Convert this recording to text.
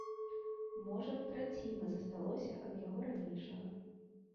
Можа, траціна засталося ад яго ранейшага.